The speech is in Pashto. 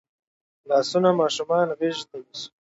لاسونه ماشومان غېږ ته نیسي